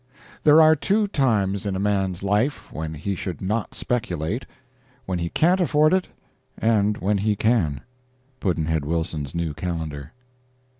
There are two times in a man's life when he should not speculate: when he can't afford it, and when he can. Pudd'nhead Wilson's New Calendar.